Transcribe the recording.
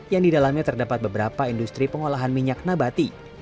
yang di dalamnya terdapat beberapa industri pengolahan minyak nabati